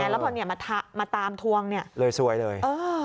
แล้วพอมาตามทวงเลยสวยเลย